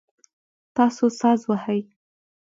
تاسو ساز وهئ؟